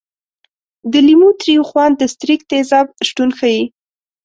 د لیمو تریو خوند د ستریک تیزاب شتون ښيي.